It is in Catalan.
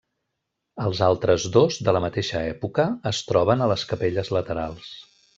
Els altres dos, de la mateixa època, es troben a les capelles laterals.